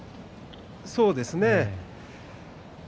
そうですね。